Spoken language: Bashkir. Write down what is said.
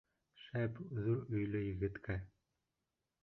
Шәп, ҙур өйлө егеткә.